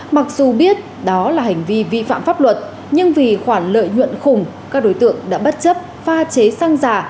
mặc dù biết đó là hành vi vi phạm pháp luật nhưng vì khoản lợi nhuận khủng các đối tượng đã bất chấp pha chế xăng giả